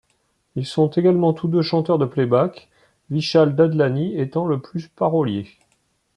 Ils sont également tous deux chanteurs de playback, Vishal Dadlani étant de plus parolier.